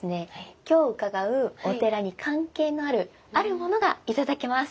今日伺うお寺に関係のあるあるものが頂けます！